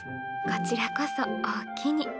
こちらこそおおきに。